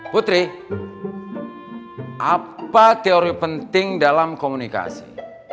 putri apa teori penting dalam komunikasi